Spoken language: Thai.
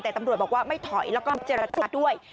แต่ตำรวจบอกว่าไม่ถอยแล้วก็เจรจาด้วย